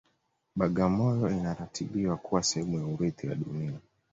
bagamoyo inaratibiwa kuwa sehemu ya urithi wa dunia